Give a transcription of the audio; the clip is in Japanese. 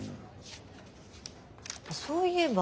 そういえば。